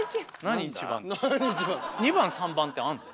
２番３番ってあんの？